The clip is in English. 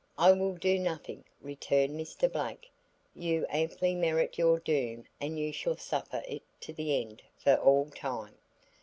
"I will do nothing," returned Mr. Blake. "You amply merit your doom and you shall suffer it to the end for all time."